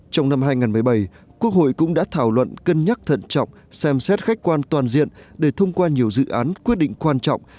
trong năm hai nghìn một mươi bảy quốc hội cũng đã thảo luận cân nhắc thận trọng xem xét khách quan toàn diện để thông qua nhiều dự án quyết định quan trọng